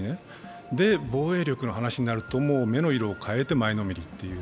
防衛力の話になると、目の色を変えて前のめりという。